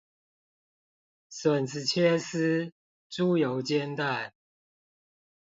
筍子切絲，豬油煎蛋